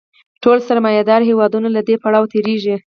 ټول سرمایه داري هېوادونه له دې پړاو تېرېږي